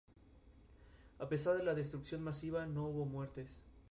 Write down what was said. Los combates se alargaron por espacio de diez días, logrando mantener Villalba.